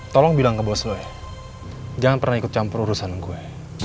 tolong bilang ke bos lo ya jangan pernah ikut campur urusan gue